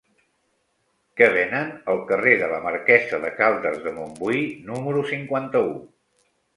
Què venen al carrer de la Marquesa de Caldes de Montbui número cinquanta-u?